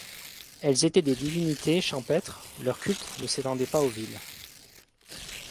Elles étaient des divinités champêtres, leur culte ne s'étendait pas aux villes.